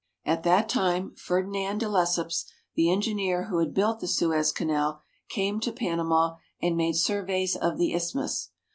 At that time Ferdinand de Lesseps, the engineer who had built the Suez Canal, came to Panama and made sur veys of the isthmus.